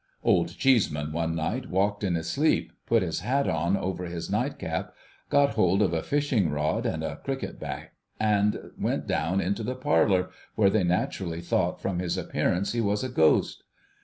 Old Cheeseman one night walked in his sleep, put his hat on over his night cap, got hold of a fishing rod and a cricket bat, and went down into the parlour, where they naturally thought from his appearance he was a Ghost.